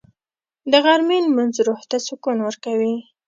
د غرمې لمونځ روح ته سکون ورکوي